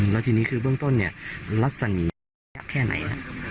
แล้วทีนี้คือเบื้องต้นเนี่ยลักษณะแค่ไหนฮะ